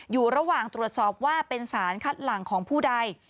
อยู่ระหว่างตรวจสอบว่าเป็นสารคัดหลังของผู้ใด